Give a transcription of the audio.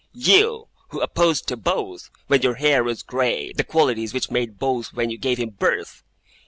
You, who opposed to both, when your hair was grey, the qualities which made both when you gave him birth!